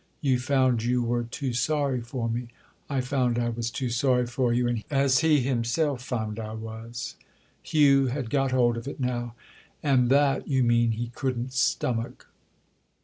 "You found you were too sorry for me?" "I found I was too sorry for you—as he himself found I was." Hugh had got hold of it now. "And that, you mean, he couldn't stomach?"